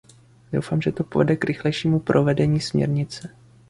Doufám, že to povede k rychlejšímu provedení směrnice.